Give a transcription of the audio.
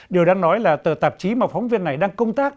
điều đang nói là tờ tạp chí mà phóng viên này đang công tác